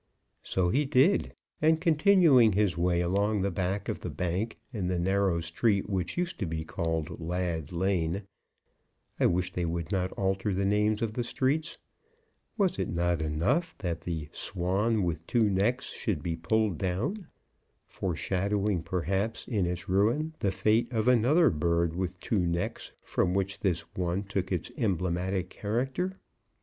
So he did; and continuing his way along the back of the Bank and the narrow street which used to be called Lad Lane, I wish they would not alter the names of the streets; was it not enough that the "Swan with Two Necks" should be pulled down, foreshadowing, perhaps, in its ruin the fate of another bird with two necks, from which this one took its emblematic character?